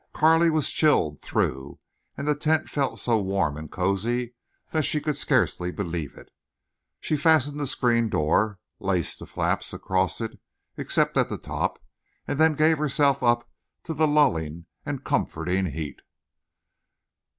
Carley was chilled through, and the tent felt so warm and cozy that she could scarcely believe it. She fastened the screen door, laced the flaps across it, except at the top, and then gave herself up to the lulling and comforting heat.